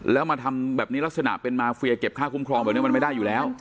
แล้วมาทำแบบนี้ลักษณะเป็นมาเฟียเก็บค่าคุ้มครองแบบนี้มันไม่ได้อยู่แล้ว